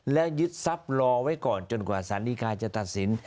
และยึดทรัพย์รอไว้ก่อนจนกว่าสารดีการจะตัดสิน